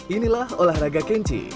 inilah olahraga kenji